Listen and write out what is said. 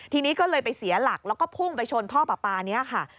ทีนี้ก็เลยไปเสียหลักแล้วก็พุ่งไปชนท่อปลาปลานี้ค่ะ